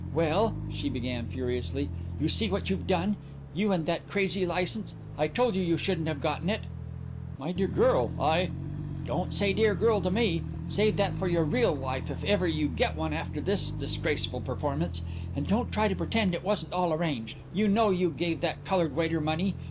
"Well," she began furiously, "you see what you've done! You and that crazy license! I told you you shouldn't have gotten it!" "My dear girl, I " "Don't say 'dear girl' to me! Save that for your real wife if you ever get one after this disgraceful performance. And don't try to pretend it wasn't all arranged. You know you gave that colored waiter money!